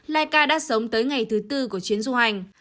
laika đã sống tới ngày thứ tư của chuyến du hành